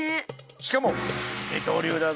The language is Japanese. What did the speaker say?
しかも二刀流だぜ。